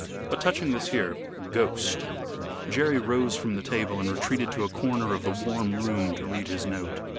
But touching this here ghost " Jerry rose from the table and retreated to a corner of the warm room to read his note.